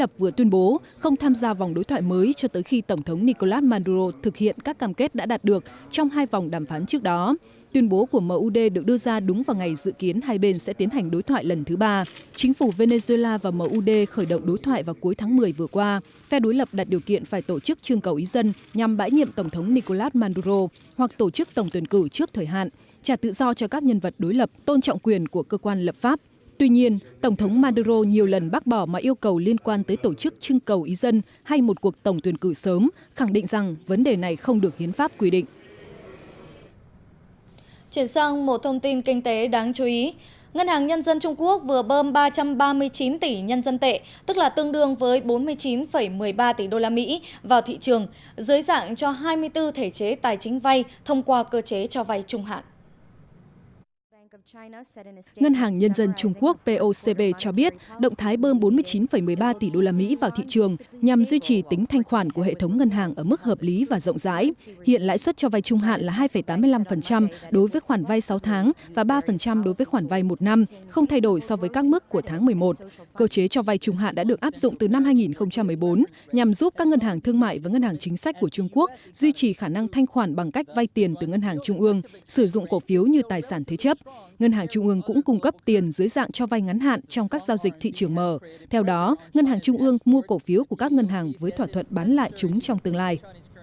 phe đối lập tại venezuela vừa tuyên bố sẽ không tham dự vòng đàm phán mới với giới chức chính phủ nước này